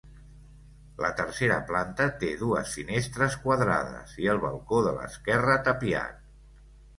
La tercera planta té dues finestres quadrades i el balcó de l'esquerra tapiat.